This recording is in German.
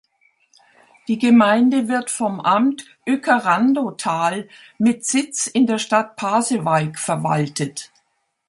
Die Gemeinde wird vom Amt Uecker-Randow-Tal mit Sitz in der Stadt Pasewalk verwaltet.